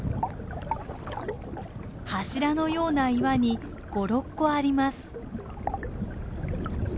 柱のような岩に５６個あります。